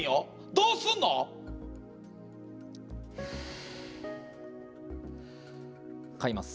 どうすんの？買います。